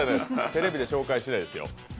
テレビじゃ紹介しないですよ。